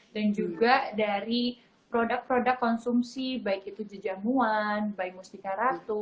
dan juga dari produk produk konsumsi baik itu jejah muan baik mustika ratu